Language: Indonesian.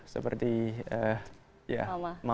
seperti mama saya